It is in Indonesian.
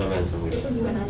itu gimana tuh